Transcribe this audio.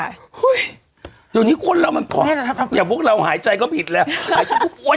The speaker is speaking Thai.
อุ้ยตอนนี้คนเรามันพอถ้าเปลี่ยนพวกเราหายใจก็ผิดแล้ว